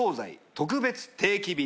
特別定期便。